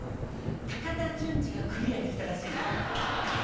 高田純次がクリアできたらしいわ。